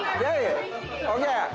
ＯＫ。